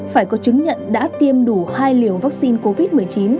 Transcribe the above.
phải có chứng nhận đã tiêm đủ hai liều vaccine covid một mươi chín